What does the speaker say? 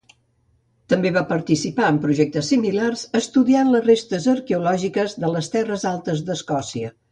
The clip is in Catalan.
També va participar en projectes similars, estudiant les restes arqueològiques de les terres altes d'Escòcia.